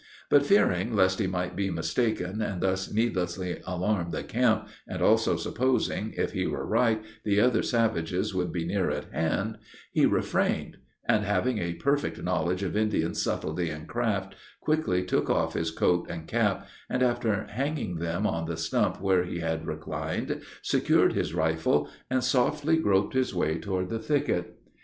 But, fearing lest he might be mistaken, and thus needlessly alarm the camp, and also supposing, if he were right, the other savages would be near at hand, he refrained, and having a perfect knowledge of Indian subtlety and craft, quickly took off his coat and cap, and, after hanging them on the stump where he had reclined, secured his rifle, and softly groped his way toward the thicket.